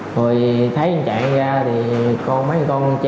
rồi thấy chạy